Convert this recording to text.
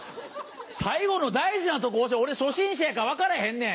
最後の大事なとこ俺初心者やから分からへんねん。